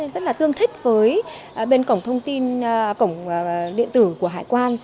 và điện tử của hải quan